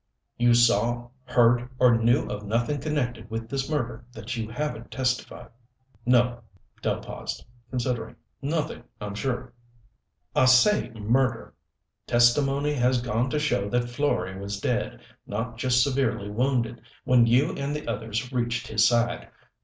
"You saw, heard or knew of nothing connected with this murder that you haven't testified." "No." Dell paused, considering. "Nothing, I'm sure." "I say 'murder.' Testimony has gone to show that Florey was dead, not just severely wounded, when you and the others reached his side.